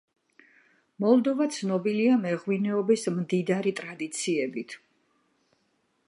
მოლდოვა ცნობილია მეღვინეობის მდიდარი ტრადიციებით.